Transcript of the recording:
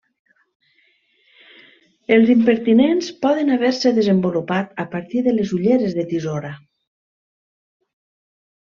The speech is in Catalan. Els impertinents poden haver-se desenvolupat a partir de les ulleres de tisora.